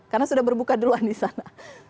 karena sudah berbuka duluan di sana